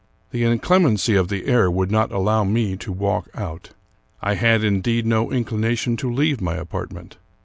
The inclemency of the air would not allow me to walk out. I had, indeed, no inclination to leave my apartment.